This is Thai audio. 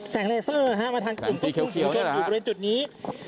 เลเซอร์มาทางกลุ่มสู้หินจนอยู่บริเวณจุดนี้